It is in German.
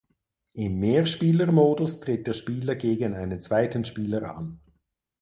Im Mehrspielermodus tritt der Spieler gegen einen zweiten Spieler an.